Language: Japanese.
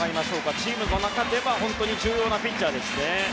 チームの中では重要なピッチャーですよね。